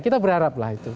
kita berharap lah itu